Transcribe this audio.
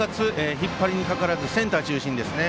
引っ張りもかからずセンター中心ですね。